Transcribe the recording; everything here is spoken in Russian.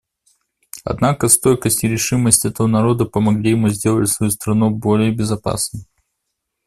Однако стойкость и решимость этого народа помогли ему сделать свою страну более безопасной.